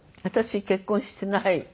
私結婚してない。